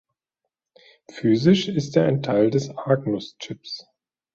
Physisch ist er ein Teil des Agnus-Chips.